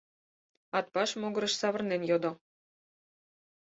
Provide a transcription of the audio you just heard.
— Атбаш могырыш савырнен йодо.